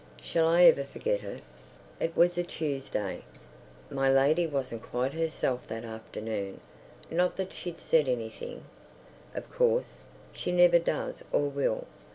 Shall I ever forget it? It was a Tuesday. My lady wasn't quite herself that afternoon. Not that she'd said anything, of course; she never does or will.